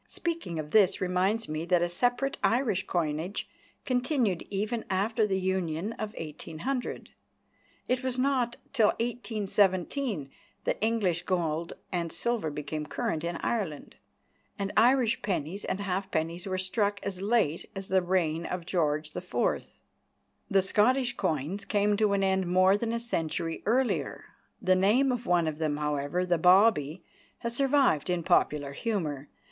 Speaking of this reminds me that a separate Irish coinage continued even after the Union of 1800. It was not till 1817 that English gold and silver became current in Ireland, and Irish pennies and halfpennies were struck as late as the reign of George IV. The Scottish coins came to an end more than a century earlier. The name of one of them, however, the "bawbee," has survived in popular humour.